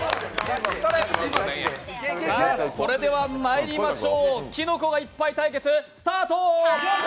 それではまいりましょうキノコがいっぱい対決スタート！